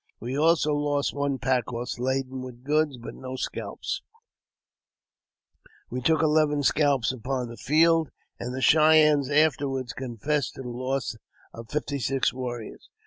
We also lost one pack horse, laden with goods, but no scalps. 158 AUTOBIOGBAPHY OF 1 We took eleven scalps upon the field, and the Cheyennes afterward confessed to the loss of fifty six warriors.